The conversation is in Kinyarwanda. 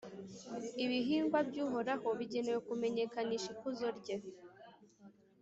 ibihingwa by’uhoraho, bigenewe kumenyekanyisha ikuzo rye.»